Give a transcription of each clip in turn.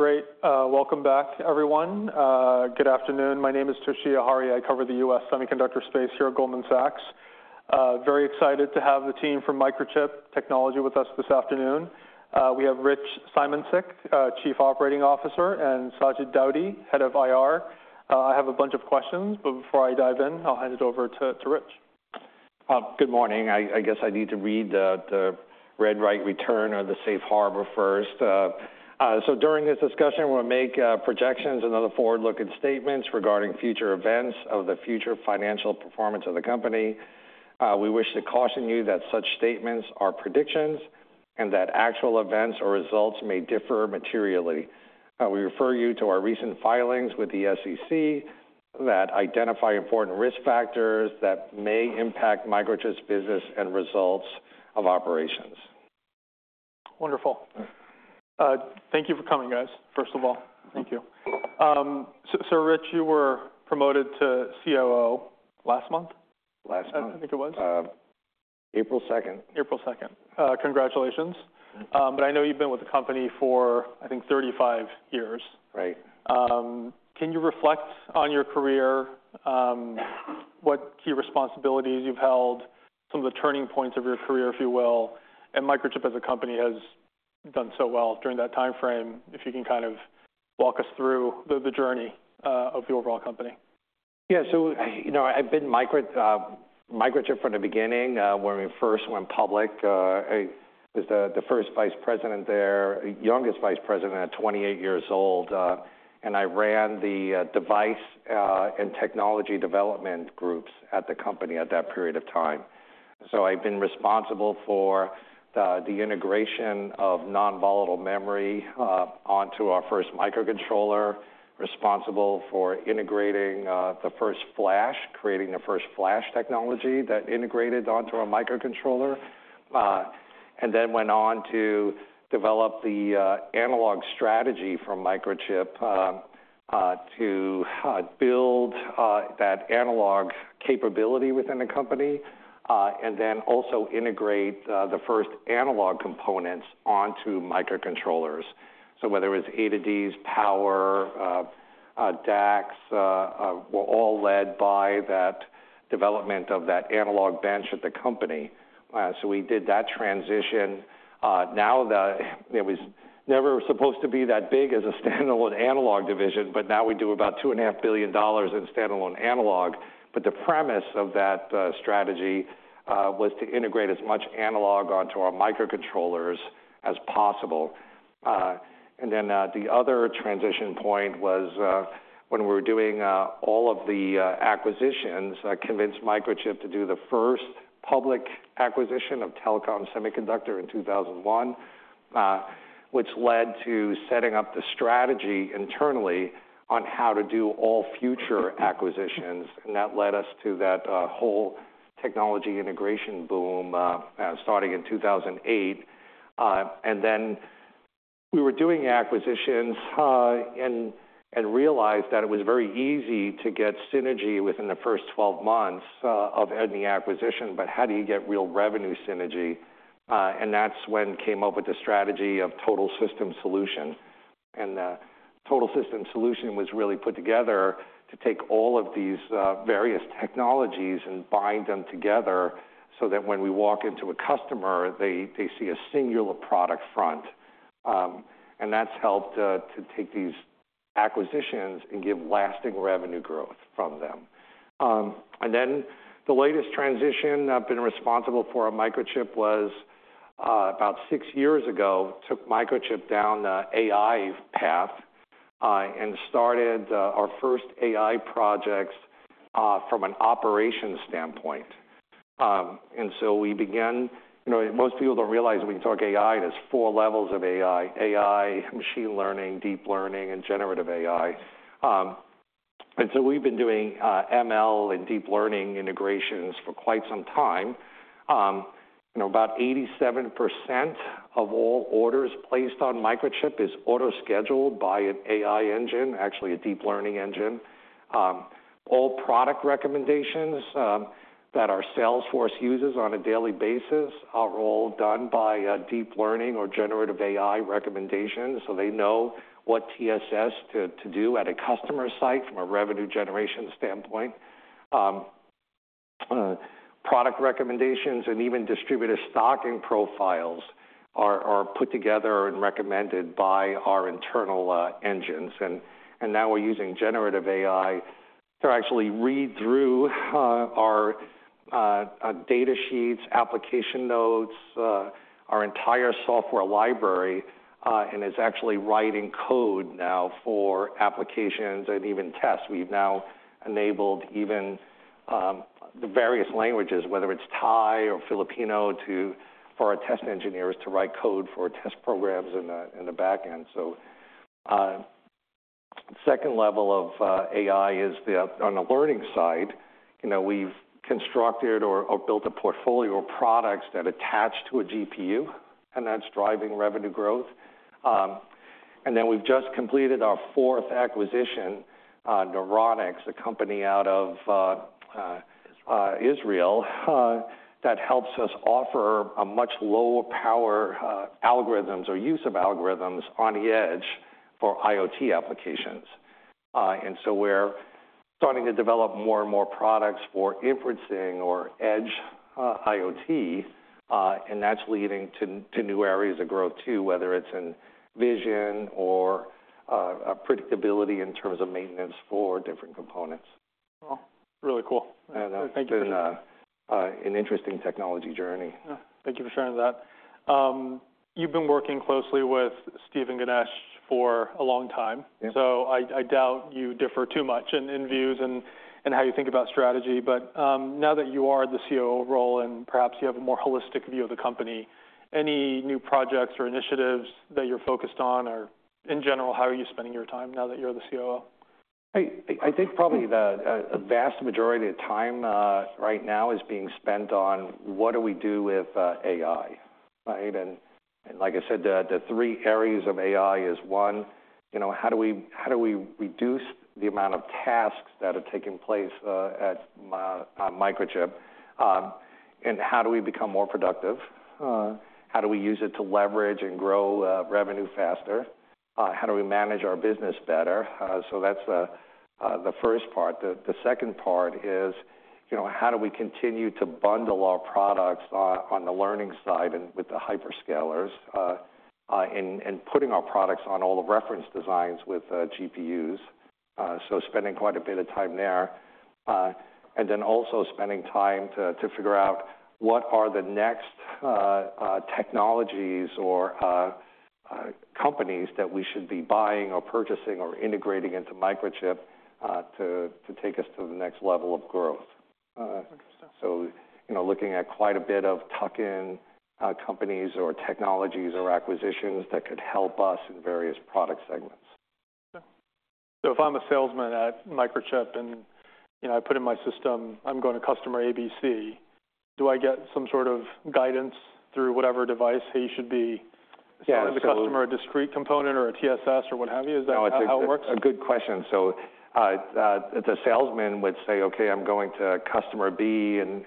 Hey, great. Welcome back, everyone. Good afternoon. My name is Toshiya Hari. I cover the U.S. semiconductor space here at Goldman Sachs. Very excited to have the team from Microchip Technology with us this afternoon. We have Rich Simoncic, Chief Operating Officer, and Sajid Daudi, Head of IR. I have a bunch of questions, but before I dive in, I'll hand it over to Rich. Good morning. I guess I need to read the Safe Harbor first. So during this discussion, we'll make projections and other forward-looking statements regarding future events of the future financial performance of the company. We wish to caution you that such statements are predictions and that actual events or results may differ materially. We refer you to our recent filings with the SEC that identify important risk factors that may impact Microchip's business and results of operations. Wonderful. Thank you for coming, guys, first of all. Thank you. So, Rich, you were promoted to COO last month? Last month. I think it was. April 2nd. April 2nd. Congratulations. Thank you. But I know you've been with the company for, I think, 35 years. Right. Can you reflect on your career, what key responsibilities you've held, some of the turning points of your career, if you will, and Microchip as a company has done so well during that timeframe, if you can kind of walk us through the journey of the overall company? Yeah. So, you know, I've been Microchip from the beginning, when we first went public. I was the first vice president there, youngest vice president at 28 years old, and I ran the device and technology development groups at the company at that period of time. So I've been responsible for the integration of non-volatile memory onto our first microcontroller, responsible for integrating the first flash, creating the first flash technology that integrated onto a microcontroller. And then went on to develop the analog strategy from Microchip to build that analog capability within the company, and then also integrate the first analog components onto microcontrollers. So whether it was ADs, power, DACs, were all led by that development of that analog bench at the company. So we did that transition. Now it was never supposed to be that big as a standalone analog division, but now we do about $2.5 billion in standalone analog. But the premise of that strategy was to integrate as much analog onto our microcontrollers as possible. And then, the other transition point was, when we were doing all of the acquisitions, I convinced Microchip to do the first public acquisition of TelCom Semiconductor in 2001, which led to setting up the strategy internally on how to do all future acquisitions, and that led us to that whole technology integration boom starting in 2008. And then we were doing acquisitions, and realized that it was very easy to get synergy within the first 12 months of any acquisition, but how do you get real revenue synergy? And that's when came up with the strategy of total system solution. And total system solution was really put together to take all of these various technologies and bind them together, so that when we walk into a customer, they see a singular product front. And that's helped to take these acquisitions and give lasting revenue growth from them. And then the latest transition I've been responsible for at Microchip was about six years ago, took Microchip down the AI path, and started our first AI projects from an operations standpoint. You know, most people don't realize when we talk AI, there's four levels of AI: AI, machine learning, deep learning, and generative AI. We've been doing ML and deep learning integrations for quite some time. You know, about 87% of all orders placed on Microchip is auto-scheduled by an AI engine, actually, a deep learning engine. All product recommendations that our sales force uses on a daily basis are all done by deep learning or generative AI recommendations, so they know what TSS to do at a customer site from a revenue generation standpoint. Product recommendations and even distributor stocking profiles are put together and recommended by our internal engines. Now we're using generative AI to actually read through our data sheets, application notes, our entire software library, and is actually writing code now for applications and even tests. We've now enabled even the various languages, whether it's Thai or Filipino, to for our test engineers to write code for test programs in the back end. So, second level of AI is, on the learning side, you know, we've constructed or built a portfolio of products that attach to a GPU, and that's driving revenue growth. And then we've just completed our fourth acquisition, Neuronix, a company out of Israel, that helps us offer a much lower power algorithms or use of algorithms on the edge for IoT applications. And so we're starting to develop more and more products for inferencing or edge, IoT, and that's leading to new areas of growth too, whether it's in vision or a predictability in terms of maintenance for different components. Well, really cool. Thank you. It's been an interesting technology journey. Yeah. Thank you for sharing that. You've been working closely with Steve and Ganesh for a long time- Yes. So I doubt you differ too much in views and how you think about strategy. But now that you are the COO role and perhaps you have a more holistic view of the company, any new projects or initiatives that you're focused on, or in general, how are you spending your time now that you're the COO? I think probably a vast majority of time right now is being spent on what do we do with AI, right? And like I said, the three areas of AI is, one, you know, how do we reduce the amount of tasks that are taking place at Microchip? And how do we become more productive? How do we use it to leverage and grow revenue faster? How do we manage our business better? So that's the first part. The second part is, you know, how do we continue to bundle our products on the learning side and with the hyperscalers, and putting our products on all the reference designs with GPUs? So spending quite a bit of time there. and then also spending time to figure out what are the next technologies or companies that we should be buying or purchasing or integrating into Microchip to take us to the next level of growth. Interesting. So, you know, looking at quite a bit of tuck-in companies or technologies or acquisitions that could help us in various product segments. Okay. So if I'm a salesman at Microchip and, you know, I put in my system, I'm going to customer ABC, do I get some sort of guidance through whatever device he should be- Yeah, so- - as a customer, a discrete component or a TSS or what have you? Is that how it works? It's a good question. So, the salesman would say, "Okay, I'm going to customer B, and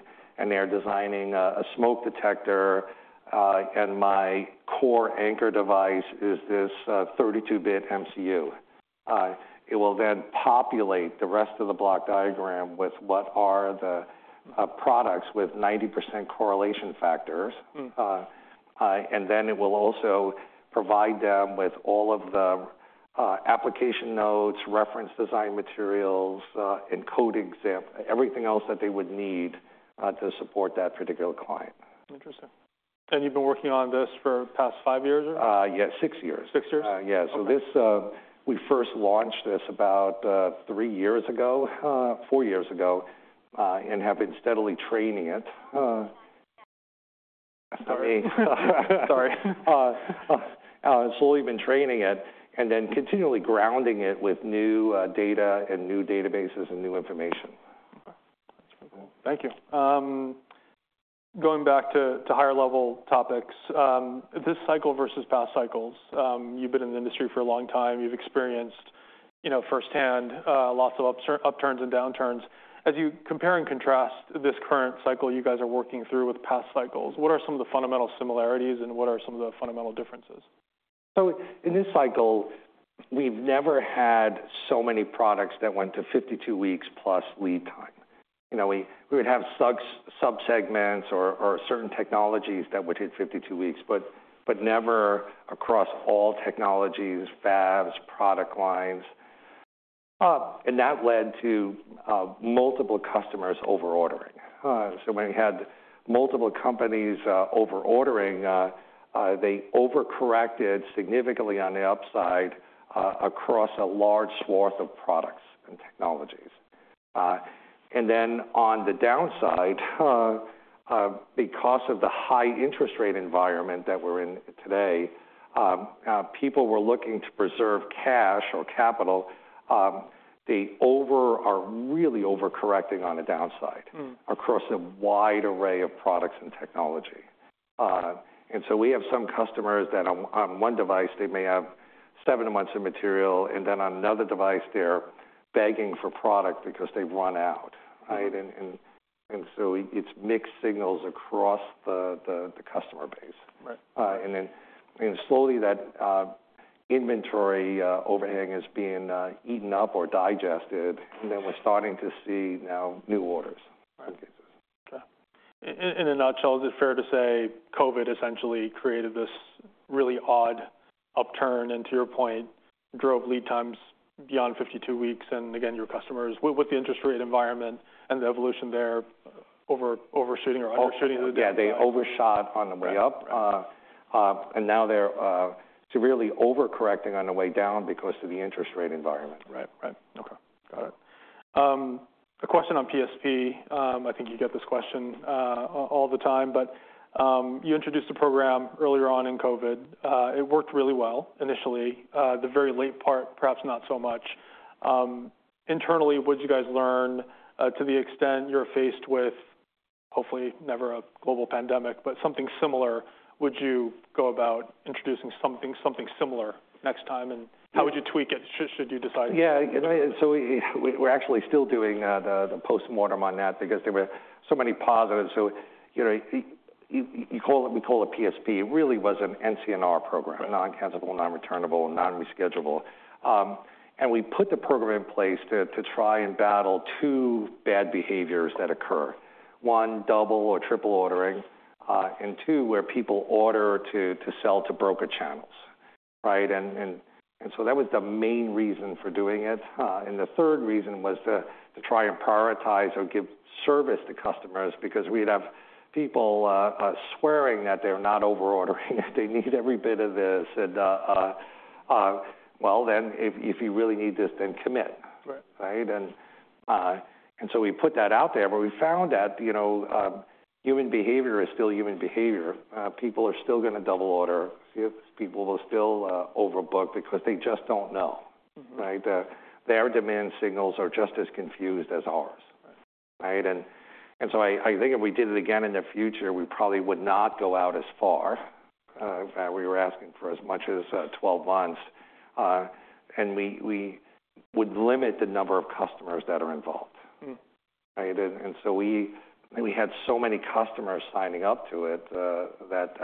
they're designing a smoke detector, and my core anchor device is this 32-bit MCU." It will then populate the rest of the block diagram with what are the products with 90% correlation factors. Mm. And then it will also provide them with all of the application notes, reference design materials, and code examples, everything else that they would need to support that particular client. Interesting. You've been working on this for the past five years or? Yes, six years. Six years? Uh, yeah. Okay. So this, we first launched this about, three years ago, four years ago, and have been steadily training it. Sorry. Sorry. Slowly been training it and then continually grounding it with new data and new databases and new information. Okay. Thank you. Going back to higher level topics, this cycle versus past cycles, you've been in the industry for a long time. You've experienced, you know, firsthand lots of upturns and downturns. As you compare and contrast this current cycle you guys are working through with past cycles, what are some of the fundamental similarities, and what are some of the fundamental differences? So in this cycle, we've never had so many products that went to 52 weeks plus lead time. You know, we would have subsegments or certain technologies that would hit 52 weeks, but never across all technologies, fabs, product lines. And that led to multiple customers over ordering. So when you had multiple companies over ordering, they overcorrected significantly on the upside across a large swath of products and technologies. And then on the downside, because of the high interest rate environment that we're in today, people were looking to preserve cash or capital, they are really overcorrecting on the downside- Mm across a wide array of products and technology. And so we have some customers that on, on one device, they may have seven months of material, and then on another device, they're begging for product because they've run out. Right? And so it, it's mixed signals across the customer base. Right. And then slowly that inventory overhang is being eaten up or digested, and then we're starting to see now new orders. Okay. In a nutshell, is it fair to say COVID essentially created this really odd upturn, and to your point, drove lead times beyond 52 weeks, and again, your customers... With the interest rate environment and the evolution there, overshooting or undershooting the- Yeah, they overshot on the way up. Right. Now they're severely overcorrecting on the way down because of the interest rate environment. Right. Right. Okay, got it. A question on PSP. I think you get this question all the time, but you introduced a program earlier on in COVID. It worked really well initially. The very late part, perhaps not so much. Internally, what did you guys learn, to the extent you're faced with, hopefully never a global pandemic, but something similar. Would you go about introducing something similar next time? And how would you tweak it, should you decide? Yeah, so we're actually still doing the postmortem on that because there were so many positives. So, you know, you call it, we call it PSP. It really was an NCNR program, non-cancellable, non-returnable, and non-rescheduleable. And we put the program in place to try and battle two bad behaviors that occur. One, double or triple ordering, and two, where people order to sell to broker channels, right? And so that was the main reason for doing it. And the third reason was to try and prioritize or give service to customers, because we'd have people swearing that they're not over ordering, that they need every bit of this. Well, then if you really need this, then commit. Right. Right? And so we put that out there, but we found that, you know, human behavior is still human behavior. People are still gonna double order. People will still overbook because they just don't know, right? Their demand signals are just as confused as ours. Right, and so I think if we did it again in the future, we probably would not go out as far. In fact, we were asking for as much as 12 months, and we would limit the number of customers that are involved. Mm-hmm. Right? And so we had so many customers signing up to it that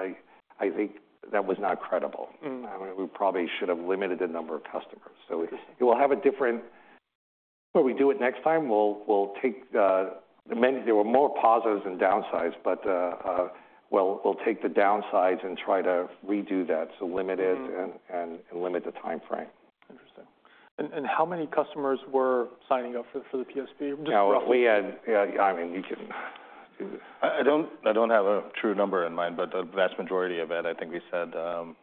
I think that was not credible. Mm-hmm. I mean, we probably should have limited the number of customers. So it will have a different— When we do it next time, we'll take many... There were more positives than downsides, but we'll take the downsides and try to redo that, so limit it- Mm-hmm. limit the time frame. Interesting. And how many customers were signing up for the PSP, roughly? We had... Yeah, I mean, you can I don't have a true number in mind, but the vast majority of it, I think we said,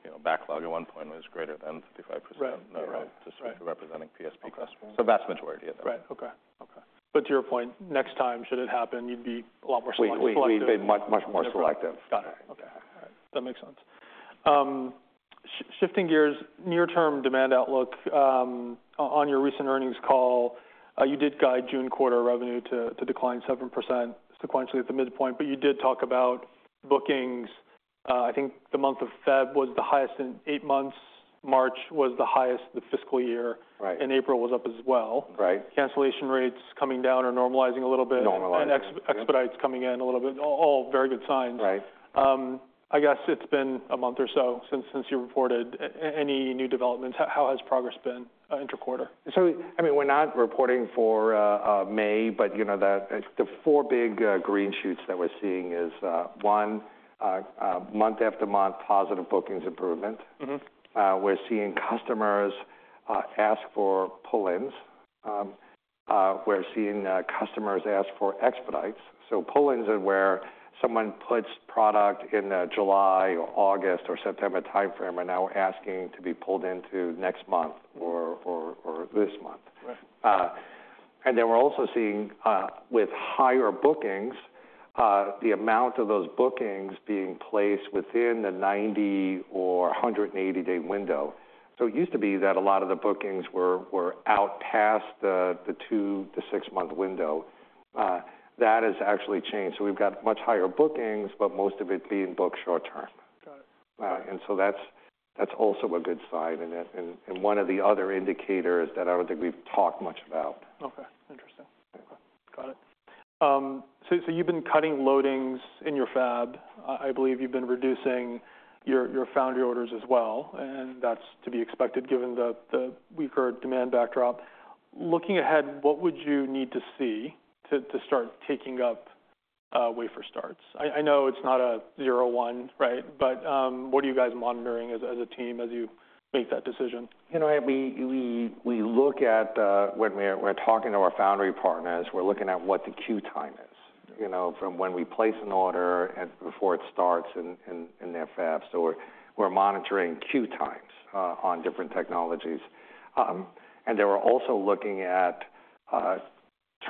you know, backlog at one point was greater than 55%. Right. Just representing PSP customers. The vast majority of them. Right. Okay. Okay. But to your point, next time, should it happen, you'd be a lot more selective. We'd be much, much more selective. Got it. Okay. All right, that makes sense. Shifting gears, near-term demand outlook, on your recent earnings call, you did guide June quarter revenue to decline 7% sequentially at the midpoint, but you did talk about bookings. I think the month of February was the highest in eight months, March was the highest of the fiscal year- Right. April was up as well. Right. Cancellation rates coming down or normalizing a little bit- Normalizing. and expedites coming in a little bit. All very good signs. Right. I guess it's been a month or so since you reported any new developments. How has progress been, interquarter? I mean, we're not reporting for May, but you know that the four big green shoots that we're seeing is one month after month positive bookings improvement. Mm-hmm. We're seeing customers ask for pull-ins. We're seeing customers ask for expedites. So pull-ins are where someone puts product in a July or August or September timeframe, and now asking to be pulled into next month or, or, or this month. Right. And then we're also seeing, with higher bookings, the amount of those bookings being placed within the 90- or 180-day window. So it used to be that a lot of the bookings were out past the 2 to 6-month window. That has actually changed. So we've got much higher bookings, but most of it being booked short term. Got it. And so that's, that's also a good sign, and one of the other indicators that I don't think we've talked much about. Okay. Interesting. Got it. So, so you've been cutting loadings in your fab. I believe you've been reducing your, your foundry orders as well, and that's to be expected, given the, the weaker demand backdrop. Looking ahead, what would you need to see to, to start taking up, wafer starts? I, I know it's not a zero one, right, but, what are you guys monitoring as, as a team as you make that decision? You know, we look at when we're talking to our foundry partners, we're looking at what the queue time is, you know, from when we place an order and before it starts in their fabs, or we're monitoring queue times on different technologies. And they were also looking at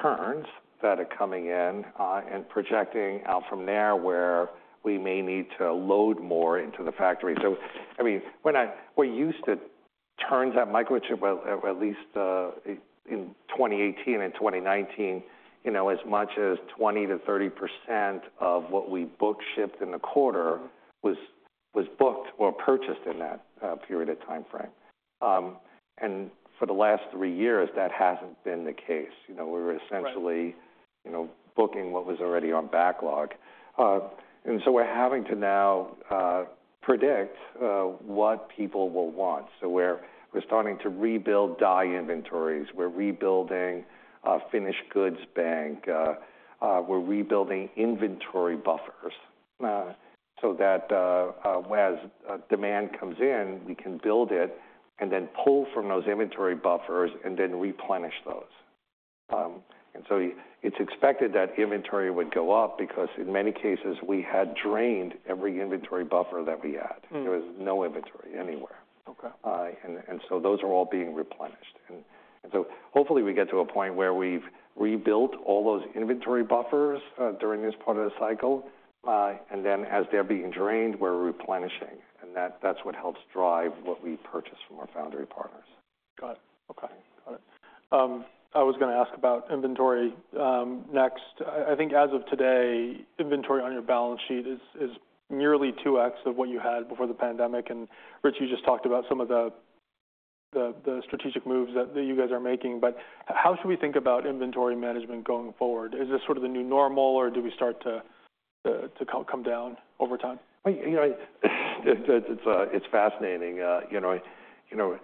turns that are coming in and projecting out from there, where we may need to load more into the factory. So, I mean, when we're used to turns at Microchip, at least in 2018 and 2019, you know, as much as 20%-30% of what we book shipped in the quarter was booked or purchased in that period of timeframe. And for the last three years, that hasn't been the case. You know, we're essentially- Right you know, booking what was already on backlog. And so we're having to now predict what people will want. So we're starting to rebuild die inventories. We're rebuilding a finished goods bank. We're rebuilding inventory buffers so that as demand comes in, we can build it and then pull from those inventory buffers and then replenish those. And so it's expected that inventory would go up because in many cases we had drained every inventory buffer that we had. Mm-hmm. There was no inventory anywhere. Okay. And so those are all being replenished. And so hopefully we get to a point where we've rebuilt all those inventory buffers during this part of the cycle, and then as they're being drained, we're replenishing, and that's what helps drive what we purchase from our foundry partners. Got it. Okay. Got it. I was gonna ask about inventory next. I think as of today, inventory on your balance sheet is nearly 2x of what you had before the pandemic. And Rich, you just talked about some of the strategic moves that you guys are making, but how should we think about inventory management going forward? Is this sort of the new normal, or do we start to come down over time? Well, you know, it's fascinating, you know,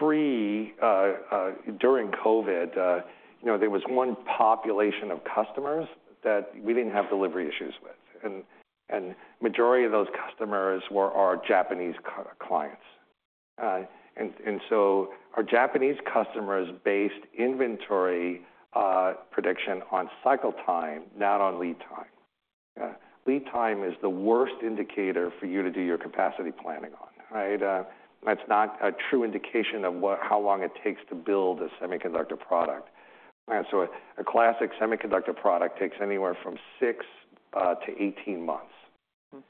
during COVID, you know, there was one population of customers that we didn't have delivery issues with, and majority of those customers were our Japanese clients. And so our Japanese customers based inventory prediction on cycle time, not on lead time. Lead time is the worst indicator for you to do your capacity planning on, right? That's not a true indication of what-- how long it takes to build a semiconductor product. And so a classic semiconductor product takes anywhere from six to 18 months. Mm-hmm.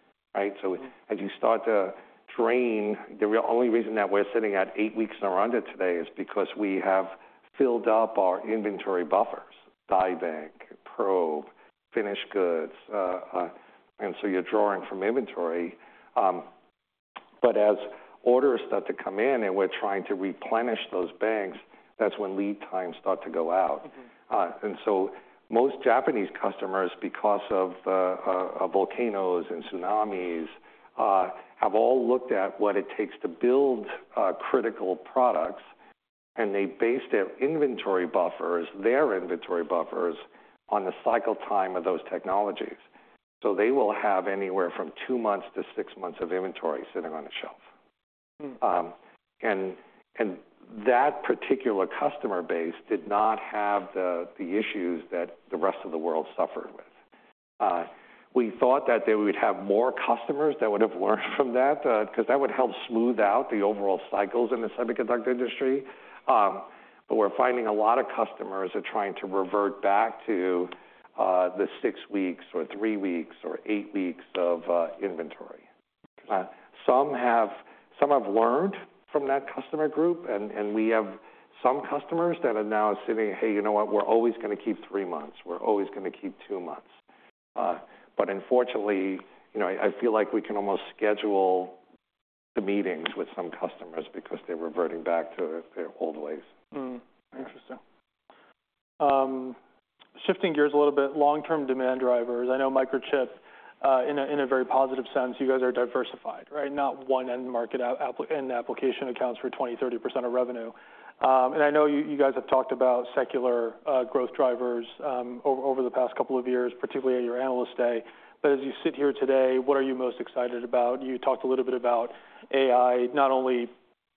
Right? So as you start to drain, the only reason that we're sitting at eight weeks and around it today, is because we have filled up our inventory buffers, die bank, probe, finished goods, and so you're drawing from inventory. But as orders start to come in, and we're trying to replenish those banks, that's when lead times start to go out. Mm-hmm. and so most Japanese customers, because of volcanoes and tsunamis, have all looked at what it takes to build critical products, and they base their inventory buffers, their inventory buffers, on the cycle time of those technologies. So they will have anywhere from two months to six months of inventory sitting on a shelf. Mm-hmm. That particular customer base did not have the issues that the rest of the world suffered with. We thought that they would have more customers that would have learned from that, 'cause that would help smooth out the overall cycles in the semiconductor industry. But we're finding a lot of customers are trying to revert back to the six weeks or three weeks or eight weeks of inventory. Some have learned from that customer group, and we have some customers that are now saying, "Hey, you know what? We're always gonna keep three months. We're always gonna keep two months." But unfortunately, you know, I feel like we can almost schedule the meetings with some customers because they're reverting back to their old ways. Mm-hmm. Interesting. Shifting gears a little bit. Long-term demand drivers. I know Microchip, in a very positive sense, you guys are diversified, right? Not one end market or end application accounts for 20%, 30% of revenue. And I know you guys have talked about secular growth drivers over the past couple of years, particularly at your Analyst Day. But as you sit here today, what are you most excited about? You talked a little bit about AI, not only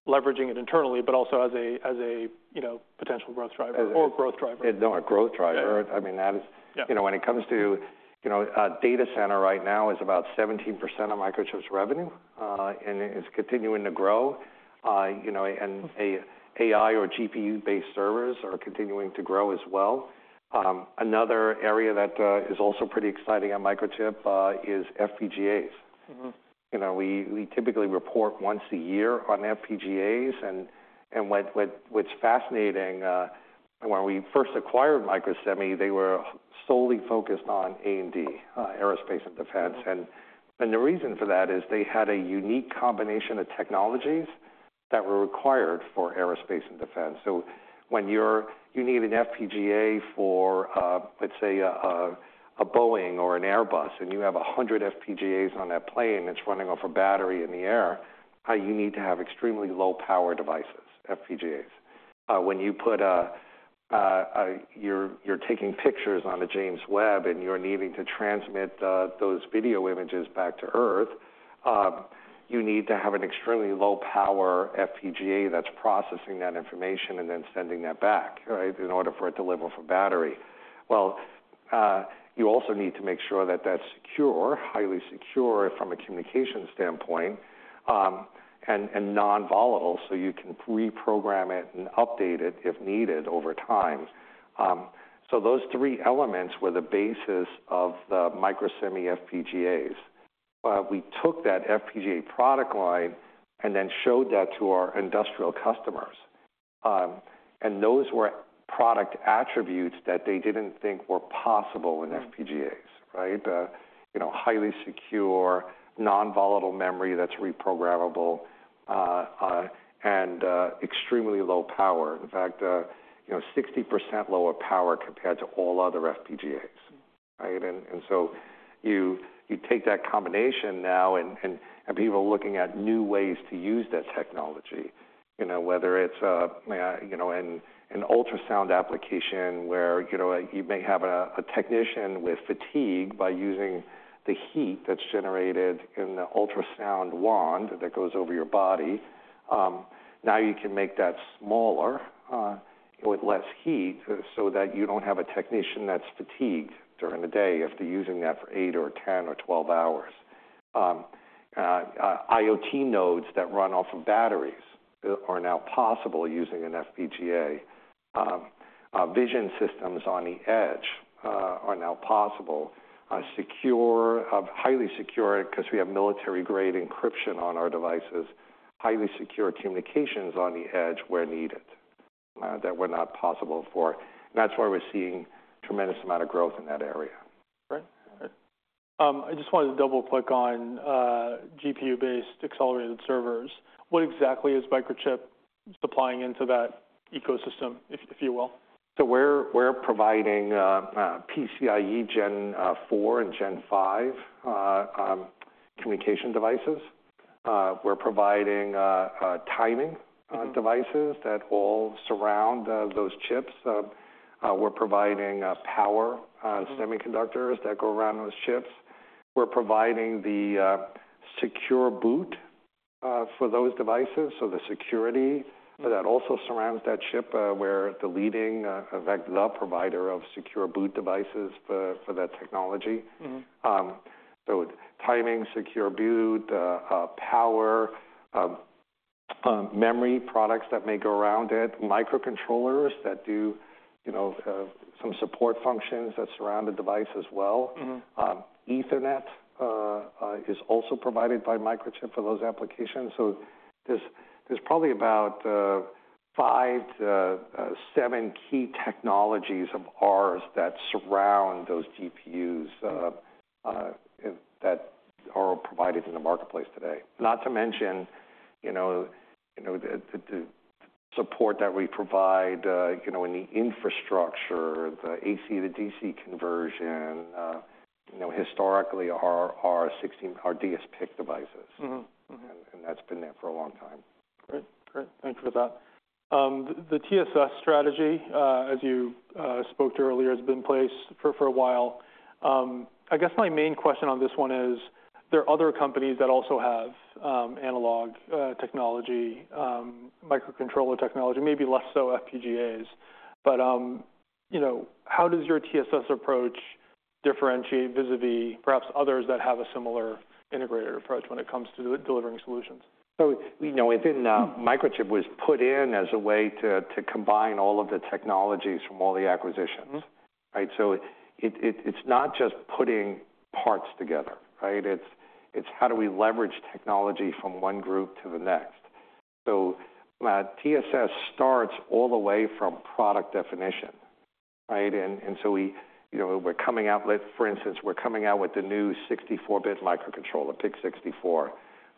leveraging it internally, but also as a, you know, potential growth driver or growth driver. No, a growth driver. Yeah. I mean, that is- Yeah. You know, when it comes to, you know, data center right now is about 17% of Microchip's revenue, and it is continuing to grow. You know, and AI or GPU-based servers are continuing to grow as well. Another area that is also pretty exciting on Microchip is FPGAs. Mm-hmm. You know, we typically report once a year on FPGAs, and what's fascinating, when we first acquired Microsemi, they were solely focused on A&D, aerospace and defense. Mm-hmm. The reason for that is they had a unique combination of technologies that were required for aerospace and defense. So when you need an FPGA for, let's say, a Boeing or an Airbus, and you have 100 FPGAs on that plane, that's running off a battery in the air, how you need to have extremely low power devices, FPGAs. When you're taking pictures on the James Webb, and you're needing to transmit those video images back to Earth, you need to have an extremely low power FPGA that's processing that information, and then sending that back, right? In order for it to deliver from battery. Well, you also need to make sure that that's secure, highly secure from a communication standpoint, and nonvolatile, so you can reprogram it and update it if needed over time. So those three elements were the basis of the Microsemi FPGAs. We took that FPGA product line and then showed that to our industrial customers, and those were product attributes that they didn't think were possible in FPGAs, right? You know, highly secure, nonvolatile memory that's reprogrammable, and extremely low power. In fact, you know, 60% lower power compared to all other FPGAs, right? And so you take that combination now, and people are looking at new ways to use that technology. You know, whether it's an ultrasound application, where you know, you may have a technician with fatigue by using the heat that's generated in the ultrasound wand that goes over your body. Now you can make that smaller, with less heat, so that you don't have a technician that's fatigued during the day after using that for eight or 10 or 12 hours. IoT nodes that run off of batteries are now possible using an FPGA... vision systems on the edge are now possible. Secure, of highly secure, because we have military-grade encryption on our devices, highly secure communications on the edge where needed, that were not possible before. And that's why we're seeing tremendous amount of growth in that area. Right. I just wanted to double-click on GPU-based accelerated servers. What exactly is Microchip supplying into that ecosystem, if you will? So we're providing PCIe Gen 4 and Gen 5 communication devices. We're providing timing devices that all surround those chips. We're providing power semiconductors that go around those chips. We're providing the secure boot for those devices, so the security that also surrounds that chip, we're the leading, in fact, the provider of secure boot devices for that technology. Mm-hmm. So timing, Secure Boot, power, memory products that may go around it, microcontrollers that do, you know, some support functions that surround the device as well. Mm-hmm. Ethernet is also provided by Microchip for those applications. So there's probably about 5-7 key technologies of ours that surround those GPUs that are provided in the marketplace today. Not to mention, you know, the support that we provide, you know, in the infrastructure, the AC, the DC conversion, you know, historically, our 16, our dsPIC devices. Mm-hmm. Mm-hmm. And that's been there for a long time. Great. Great, thank you for that. The TSS strategy, as you spoke to earlier, has been in place for a while. I guess my main question on this one is, there are other companies that also have analog technology, microcontroller technology, maybe less so FPGAs. But you know, how does your TSS approach differentiate vis-a-vis, perhaps others that have a similar integrated approach when it comes to delivering solutions? You know, within Microchip was put in as a way to combine all of the technologies from all the acquisitions. Mm-hmm. Right? So it's not just putting parts together, right? It's how do we leverage technology from one group to the next. So, TSS starts all the way from product definition, right? And so we, you know, we're coming out with, for instance, the new 64-bit microcontroller, PIC64.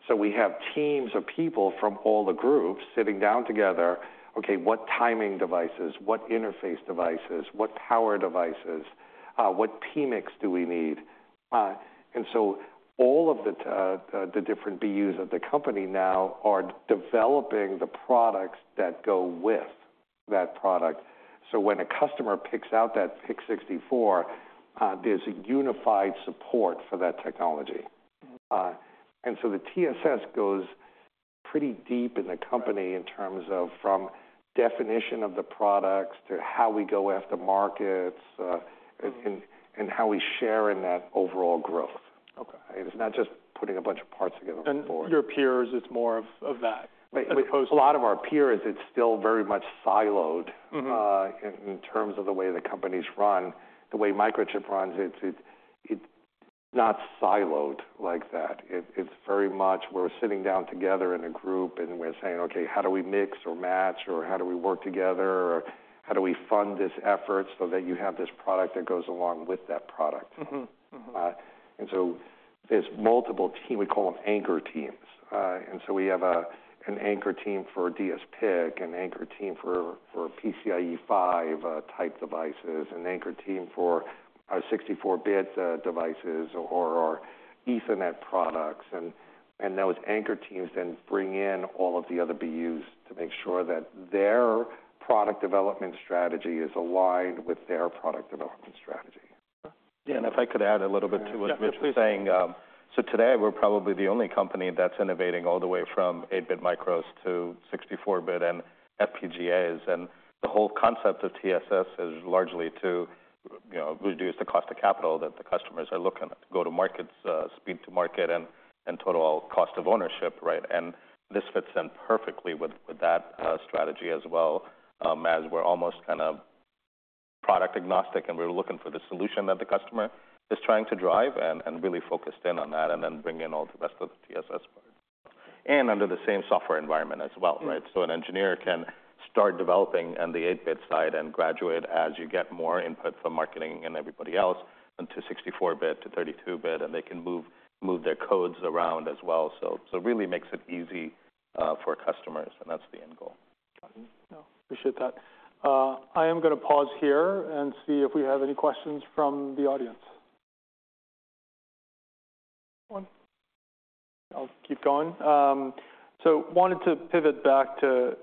So we have teams of people from all the groups sitting down together: Okay, what timing devices, what interface devices, what power devices, what PMIC do we need? And so all of the different BUs of the company now are developing the products that go with that product. So when a customer picks out that PIC64, there's a unified support for that technology. Mm-hmm. and so the TSS goes pretty deep in the company in terms of, from definition of the products to how we go after markets, and how we share in that overall growth. Okay. It's not just putting a bunch of parts together. Your peers, it's more of that, as opposed to- A lot of our peers, it's still very much siloed- Mm-hmm In terms of the way the companies run. The way Microchip runs, it's not siloed like that. It's very much we're sitting down together in a group, and we're saying: Okay, how do we mix or match, or how do we work together? Or how do we fund this effort so that you have this product that goes along with that product? Mm-hmm. Mm-hmm. There's multiple team, we call them anchor teams. We have an anchor team for dsPIC, an anchor team for PCIe 5 type devices, an anchor team for our 64-bit devices or our Ethernet products. Those anchor teams then bring in all of the other BUs to make sure that their product development strategy is aligned with their product development strategy. Yeah, and if I could add a little bit to what Rich was saying. Yeah, please. So today we're probably the only company that's innovating all the way from 8-bit micros to 64-bit and FPGAs. And the whole concept of TSS is largely to, you know, reduce the cost of capital that the customers are looking at, go to markets, speed to market, and total cost of ownership, right? And this fits in perfectly with that strategy as well, as we're almost kind of product agnostic, and we're looking for the solution that the customer is trying to drive, and really focused in on that, and then bring in all the rest of the TSS part. And under the same software environment as well, right? Mm-hmm. An engineer can start developing on the 8-bit side and graduate as you get more input from marketing and everybody else, into 64-bit, to 32-bit, and they can move their codes around as well. So it really makes it easy for customers, and that's the end goal. Got it. Yeah, appreciate that. I am going to pause here and see if we have any questions from the audience. I'll keep going. So wanted to pivot back to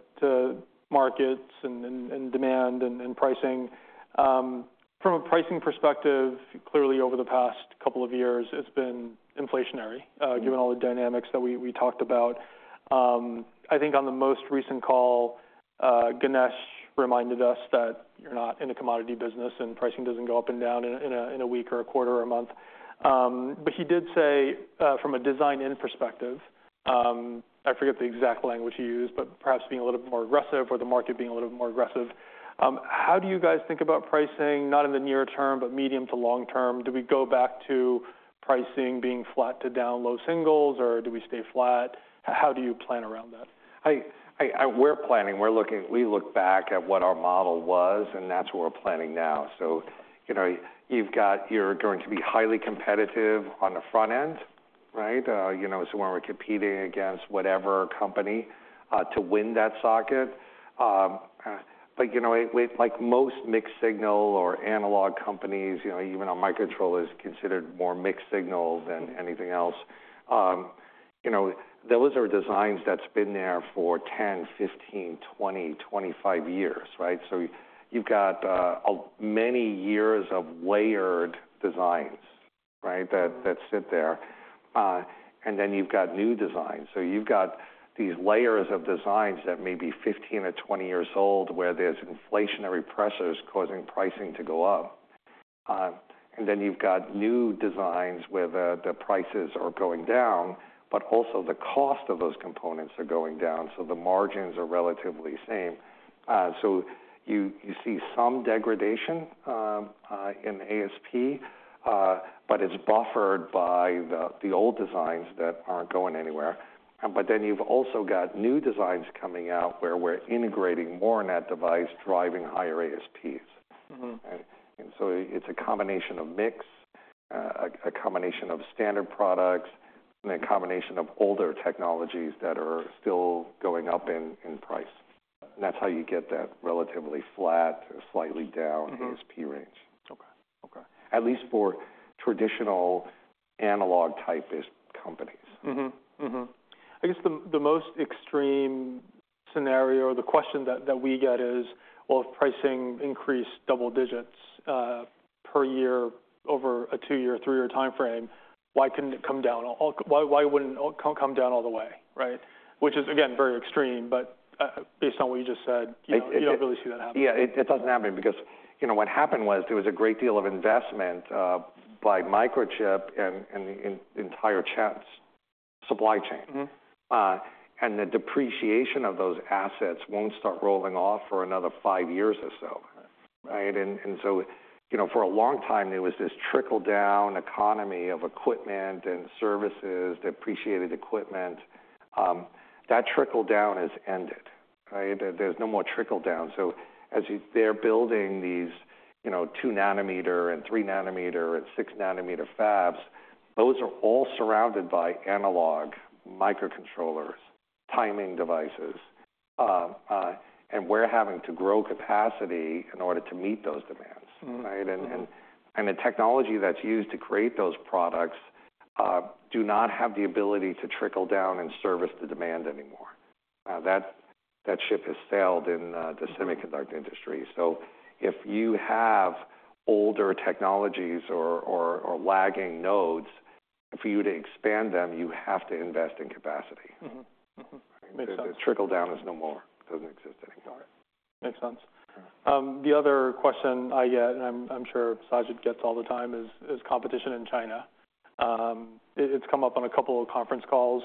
markets and demand and pricing. From a pricing perspective, clearly over the past couple of years, it's been inflationar. Mm-hmm Given all the dynamics that we talked about. I think on the most recent call, Ganesh reminded us that you're not in the commodity business, and pricing doesn't go up and down in a week, or a quarter, or a month. But he did say, from a design-in perspective... I forget the exact language you used, but perhaps being a little bit more aggressive or the market being a little bit more aggressive. How do you guys think about pricing, not in the near term, but medium to long term? Do we go back to pricing being flat to down low singles, or do we stay flat? How do you plan around that? We're looking back at what our model was, and that's what we're planning now. So you know, you've got—you're going to be highly competitive on the front end, right? You know, so when we're competing against whatever company to win that socket. But you know, with like most mixed signal or analog companies, you know, even on microcontroller, is considered more mixed signal than anything else. You know, those are designs that's been there for 10, 15, 20, 25 years, right? So you've got a many years of layered designs, right, that sit there. And then you've got new designs. So you've got these layers of designs that may be 15 or 20 years old, where there's inflationary pressures causing pricing to go up. And then you've got new designs where the prices are going down, but also the cost of those components are going down, so the margins are relatively the same. So you see some degradation in ASP, but it's buffered by the old designs that aren't going anywhere. But then you've also got new designs coming out, where we're integrating more net device, driving higher ASPs. Mm-hmm. Right? And so it's a combination of mix, a combination of standard products, and a combination of older technologies that are still going up in price. And that's how you get that relatively flat, slightly down- Mm-hmm... ASP range. Okay. Okay. At least for traditional analog-type-ish companies. Mm-hmm. Mm-hmm. I guess the most extreme scenario or the question that we get is, well, if pricing increased double digits per year over a two-year, three-year timeframe, why couldn't it come down all the way, right? Which is, again, very extreme, but based on what you just said, you don't really see that happening. Yeah, it doesn't happen because, you know, what happened was there was a great deal of investment by Microchip and the entire China supply chain. Mm-hmm. and the depreciation of those assets won't start rolling off for another five years or so, right? And so, you know, for a long time, there was this trickle-down economy of equipment and services, depreciated equipment. That trickle-down has ended, right? There's no more trickle down. So as they're building these, you know, 2-nanometer and 3-nanometer and 6-nanometer fabs, those are all surrounded by analog microcontrollers, timing devices, and we're having to grow capacity in order to meet those demands, right? Mm-hmm. The technology that's used to create those products do not have the ability to trickle down and service the demand anymore. That ship has sailed in the semiconductor industry. So if you have older technologies or lagging nodes, for you to expand them, you have to invest in capacity. Mm-hmm. Mm-hmm. Makes sense. Trickle down is no more. It doesn't exist anymore. Got it. Makes sense. The other question I get, and I'm sure Sajid gets all the time, is competition in China. It's come up on a couple of conference calls.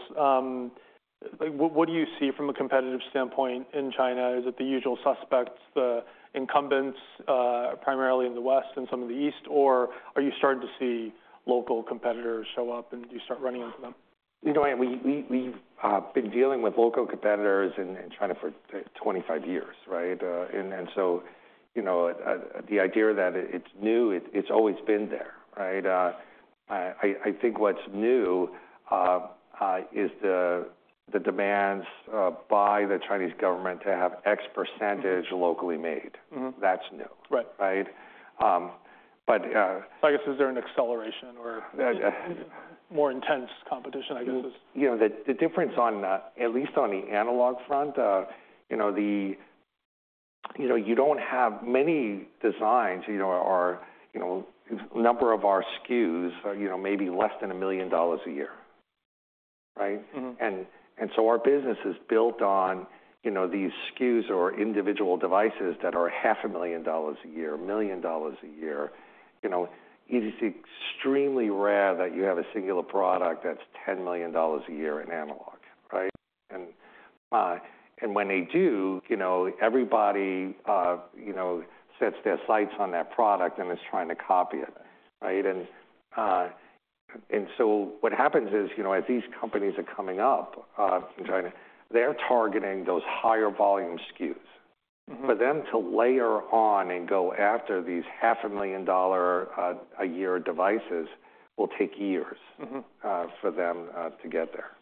What do you see from a competitive standpoint in China? Is it the usual suspects, the incumbents, primarily in the West and some of the East, or are you starting to see local competitors show up, and do you start running into them? You know, we've been dealing with local competitors in China for 25 years, right? And so, you know, the idea that it's new, it's always been there, right? I think what's new is the demands by the Chinese government to have X% locally made. Mm-hmm. That's new. Right. Right? But, I guess, is there an acceleration or more intense competition, I guess, is- You know, the difference on at least on the analog front, you know, the. You know, you don't have many designs, you know, or number of our SKUs, you know, maybe less than $1 million a year, right? Mm-hmm. So our business is built on, you know, these SKUs or individual devices that are $500,000 a year, $1 million a year. You know, it is extremely rare that you have a singular product that's $10 million a year in analog, right? When they do, you know, everybody, you know, sets their sights on that product and is trying to copy it, right? What happens is, you know, as these companies are coming up, in China, they're targeting those higher volume SKUs. Mm-hmm. For them to layer on and go after these $500,000-a-year devices will take years- Mm-hmm For them to get there.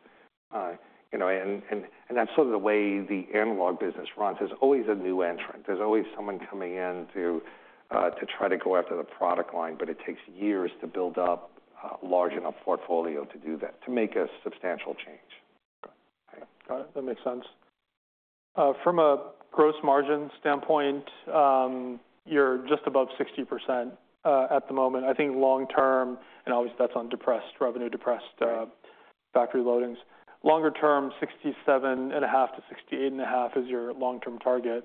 You know, and that's sort of the way the analog business runs. There's always a new entrant. There's always someone coming in to try to go after the product line, but it takes years to build up a large enough portfolio to do that, to make a substantial change. Got it. That makes sense. From a gross margin standpoint, you're just above 60% at the moment. I think long term, and obviously, that's on depressed revenue, depressed- Right Factory loadings. Longer term, 67.5-68.5 is your long-term target.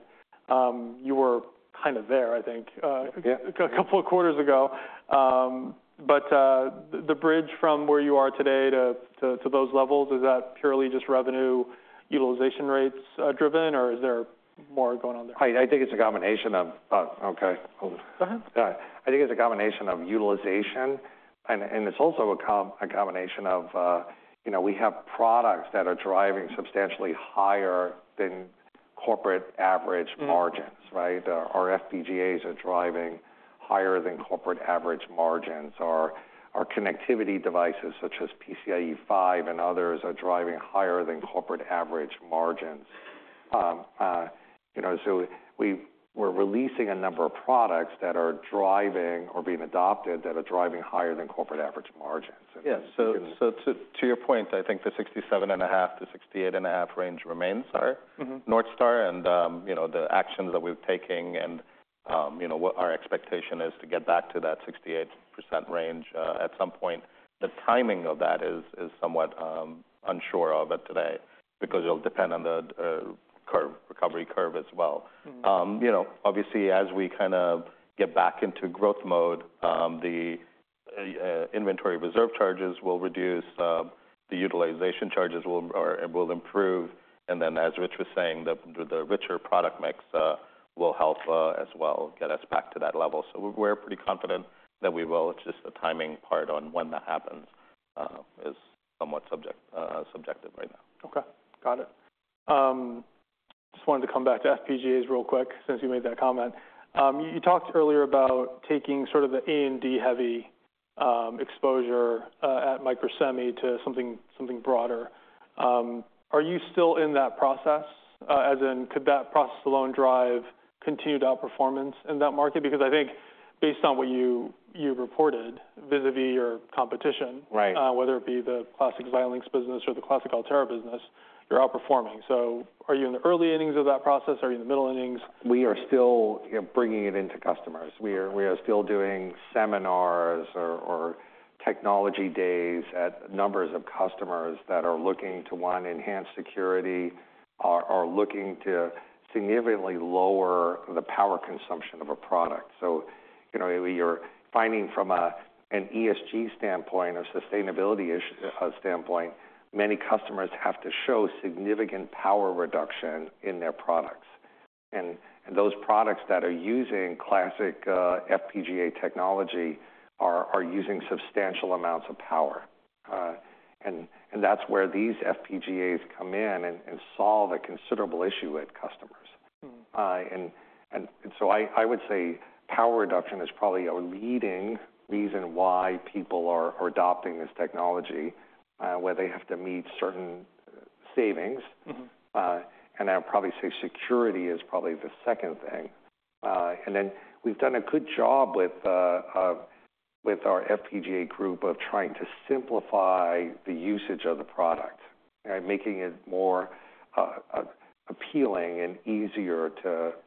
You were kind of there, I think. Yeah A couple of quarters ago. But the bridge from where you are today to those levels, is that purely just revenue utilization rates driven, or is there more going on there? I think it's a combination of, okay. Go ahead. I think it's a combination of utilization, and it's also a combination of, you know, we have products that are driving substantially higher than corporate average- Mm-hmm - margins, right? Our FPGAs are driving higher than corporate average margins. Our connectivity devices, such as PCIe 5 and others, are driving higher than corporate average margins. You know, so we're releasing a number of products that are driving or being adopted, that are driving higher than corporate average margins. Yeah. So to your point, I think the 67.5%-68.5% range remains our- Mm-hmm... North Star, and, you know, the actions that we're taking and, you know, what our expectation is to get back to that 68% range, at some point. The timing of that is somewhat unsure of it today, because it'll depend on the curve, recovery curve as well. Mm-hmm. You know, obviously, as we kind of get back into growth mode, the inventory reserve charges will reduce, the utilization charges will, or, will improve, and then, as Rich was saying, the richer product mix will help as well get us back to that level. So we're pretty confident that we will. It's just the timing part on when that happens is somewhat subjective right now. Okay, got it. Just wanted to come back to FPGAs real quick, since you made that comment. You talked earlier about taking sort of the A&D-heavy exposure at Microsemi to something, something broader. Are you still in that process? As in, could that process alone drive continued outperformance in that market? Because I think based on what you reported, vis-à-vis your competition- Right whether it be the classic Xilinx business or the classic Altera business, you're outperforming. So are you in the early innings of that process? Are you in the middle innings? We are still, you know, bringing it into customers. We are still doing seminars or technology days at numbers of customers that are looking to, one, enhance security, are looking to significantly lower the power consumption of a product. So, you know, we are finding from an ESG standpoint, a sustainability standpoint, many customers have to show significant power reduction in their products. And those products that are using classic FPGA technology are using substantial amounts of power. And that's where these FPGAs come in and solve a considerable issue with customers. Mm-hmm. So I would say power reduction is probably our leading reason why people are adopting this technology, where they have to meet certain savings. Mm-hmm. And I would probably say security is probably the second thing. And then we've done a good job with our FPGA group of trying to simplify the usage of the product, making it more appealing and easier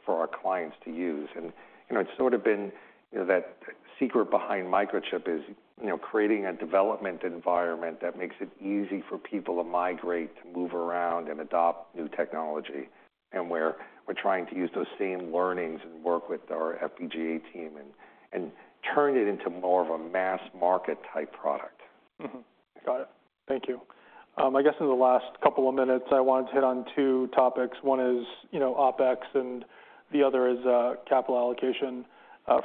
for our clients to use. And, you know, it's sort of been, you know, that secret behind Microchip is, you know, creating a development environment that makes it easy for people to migrate, to move around and adopt new technology, and where we're trying to use those same learnings and work with our FPGA team and turn it into more of a mass market-type product. Mm-hmm. Got it. Thank you. I guess in the last couple of minutes, I wanted to hit on two topics. One is, you know, OpEx, and the other is capital allocation.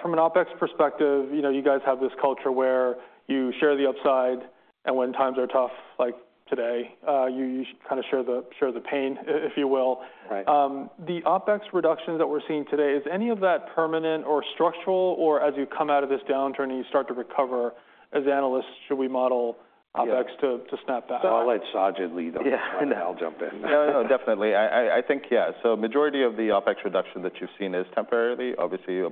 From an OpEx perspective, you know, you guys have this culture where you share the upside, and when times are tough, like today, you usually kind of share the pain, if you will. Right. The OpEx reductions that we're seeing today, is any of that permanent or structural, or as you come out of this downturn and you start to recover, as analysts, should we model OpEx to snap back? I'll let Sajid lead on that. Yeah, no. I'll jump in. No, no, definitely. I think, yeah, so majority of the OpEx reduction that you've seen is temporarily. Obviously, a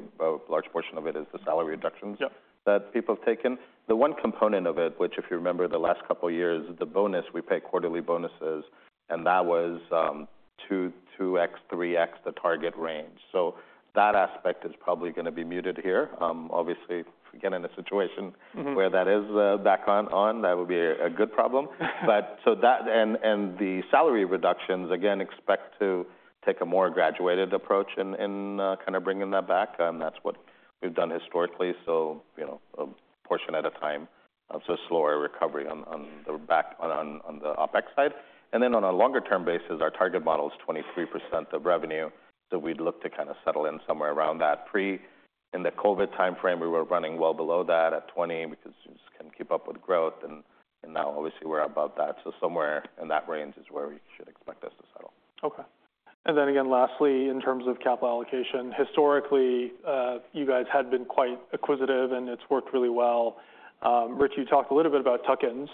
large portion of it is the salary reductions- Yep That people have taken. The one component of it, which, if you remember the last couple of years, the bonus, we pay quarterly bonuses, and that was 2x, 3x the target range. So that aspect is probably gonna be muted here. Obviously, if we get in a situation- Mm-hmm Where that is back on, on, that would be a good problem. But so that, and the salary reductions, again, expect to take a more graduated approach in kind of bringing that back, and that's what we've done historically. So, you know, a portion at a time, so slower recovery on the back, on the OpEx side. And then on a longer term basis, our target model is 23% of revenue. So we'd look to kind of settle in somewhere around that. Pre- in the COVID timeframe, we were running well below that, at 20, because we just couldn't keep up with growth, and now obviously we're above that. So somewhere in that range is where we should expect us to settle. Okay. And then again, lastly, in terms of capital allocation, historically, you guys had been quite acquisitive, and it's worked really well. Rich, you talked a little bit about tuck-ins.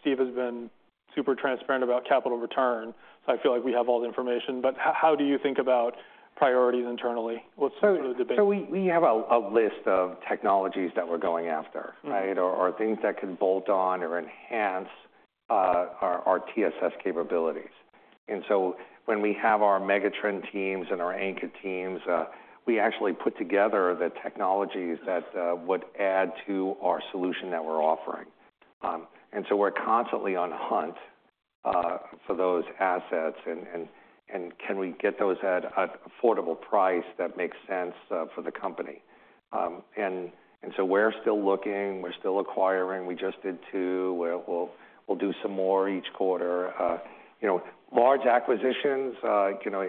Steve has been super transparent about capital return, so I feel like we have all the information, but how do you think about priorities internally? What's sort of the debate? So we have a list of technologies that we're going after- Mm-hmm. Right? Or things that can bolt on or enhance our TSS capabilities. And so when we have our megatrend teams and our anchor teams, we actually put together the technologies that would add to our solution that we're offering. And so we're constantly on hunt for those assets and can we get those at an affordable price that makes sense for the company? And so we're still looking, we're still acquiring. We just did two, where we'll do some more each quarter. You know, large acquisitions, you know,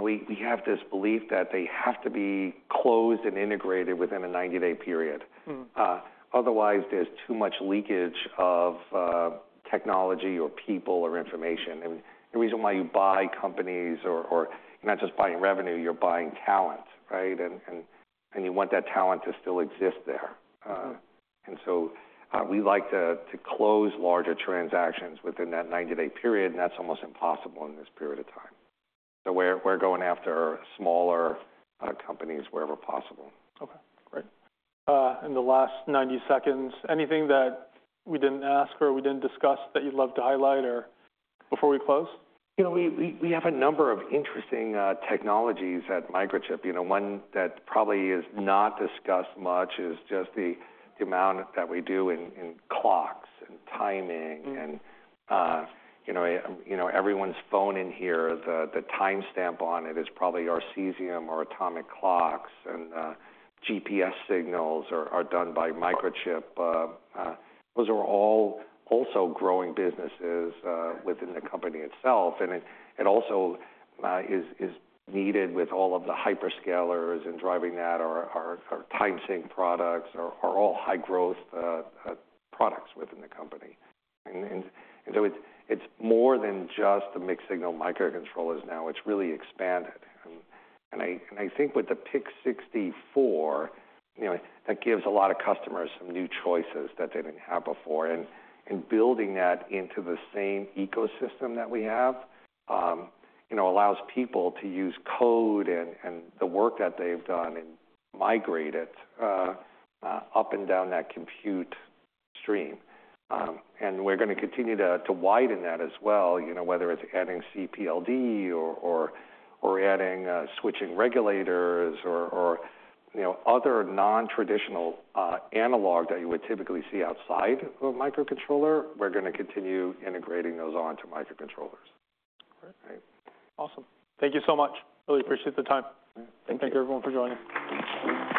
we have this belief that they have to be closed and integrated within a 90-day period. Mm-hmm. Otherwise, there's too much leakage of, technology or people or information. And the reason why you buy companies or, or, you're not just buying revenue, you're buying talent, right? And, and, and you want that talent to still exist there. And so, we like to close larger transactions within that 90-day period, and that's almost impossible in this period of time. So we're going after smaller, companies wherever possible. Okay, great. In the last 90 seconds, anything that we didn't ask or we didn't discuss that you'd love to highlight or before we close? You know, we have a number of interesting technologies at Microchip. You know, one that probably is not discussed much is just the amount that we do in clocks and timing- Mm-hmm. You know, you know, everyone's phone in here, the timestamp on it is probably our cesium or atomic clocks, and GPS signals are done by Microchip. Those are all also growing businesses within the company itself, and it also is needed with all of the hyperscalers and driving that are our time sync products are all high growth products within the company. And so it's more than just the mixed signal microcontrollers now. It's really expanded. And I think with the PIC64, you know, that gives a lot of customers some new choices that they didn't have before. Building that into the same ecosystem that we have, you know, allows people to use code and the work that they've done and migrate it up and down that compute stream. We're gonna continue to widen that as well, you know, whether it's adding CPLD or adding switching regulators or, you know, other non-traditional analog that you would typically see outside of a microcontroller. We're gonna continue integrating those onto microcontrollers. Great. Awesome. Thank you so much. Really appreciate the time. Thank you. Thank you, everyone, for joining.